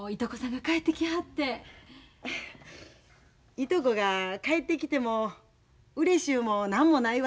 いとこが帰ってきてもうれしゅうも何もないわ。